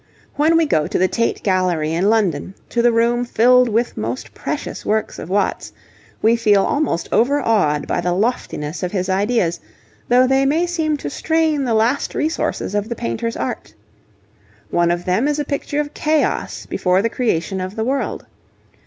When we go to the Tate Gallery in London, to the room filled with most precious works of Watts, we feel almost overawed by the loftiness of his ideas, though they may seem to strain the last resources of the painter's art. One of them is a picture of 'Chaos' before the creation of the world.